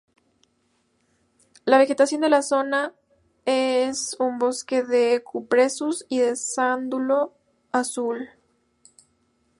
La vegetación de la zona es un bosque de Cupressus y de sándalo Azul.